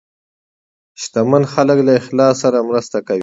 شتمن خلک له اخلاص سره مرسته کوي.